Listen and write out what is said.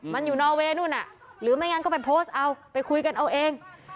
มันอยู่นอเวย์นู่นน่ะหรือไม่งั้นก็ไปโพสต์เอาไปคุยกันเอาเอง